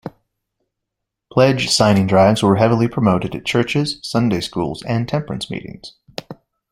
Pledge signing drives were heavily promoted at churches, Sunday schools, and temperance meetings.